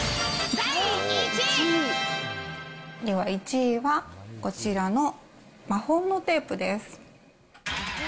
第１位。では１位はこちらの魔法のテープです。